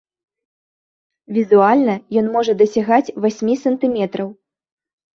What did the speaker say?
Візуальна ён можа дасягаць васьмі сантыметраў.